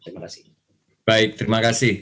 terima kasih baik terima kasih